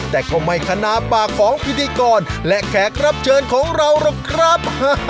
แต่ก็ไม่คณาปากของพิธีกรและแขกรับเชิญของเราหรอกครับ